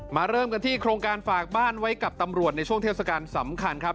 เริ่มกันที่โครงการฝากบ้านไว้กับตำรวจในช่วงเทศกาลสำคัญครับ